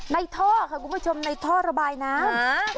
ท่อค่ะคุณผู้ชมในท่อระบายน้ำ